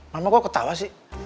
mama kok ketawa sih